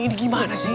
ini gimana sih